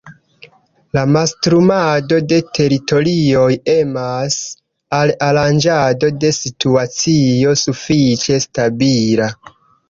La mastrumado de teritorioj emas al aranĝado de situacio sufiĉe stabila.